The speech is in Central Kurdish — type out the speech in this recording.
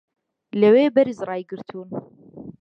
لەوێ بەرز ڕایگرتوون